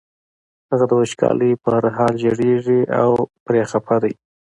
هغه د وچکالۍ په حال ژړېږي او پرې خپه دی.